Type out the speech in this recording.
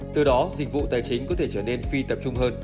từ đó dịch vụ tài chính có thể trở nên phi tập trung hơn